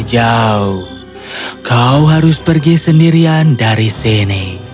jauh kau harus pergi sendirian dari sini